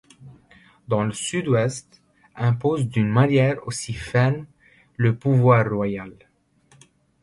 Dans le sud-ouest, impose d'une manière aussi ferme le pouvoir royal.